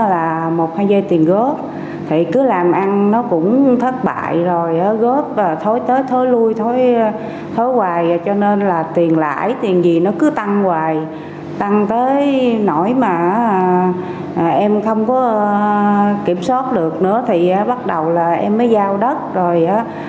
bắt đầu là em mới giao đất rồi